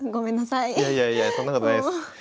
いやいやいやそんなことないです。